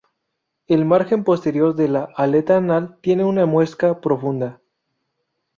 El margen posterior de la aleta anal tiene una muesca profunda.